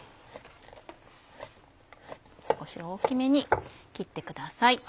少し大きめに切ってください。